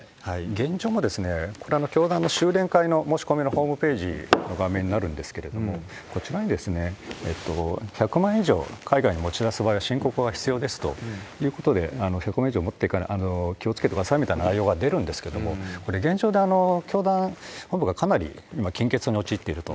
現状も、これ、教団の修練会の申し込みのホームページの画面になるんですけれども、こちらに、１００万円以上海外に持ち出す場合は申告が必要ですということで、１００万円以上持っていかないように気をつけてくださいみたいに出るんですけれども、これ、現状で教団本部がかなり今、金欠に陥っていると。